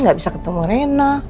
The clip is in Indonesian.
gak bisa ketemu rena